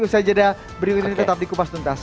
usaha jeda beri undang undang tetap di kupas tuntas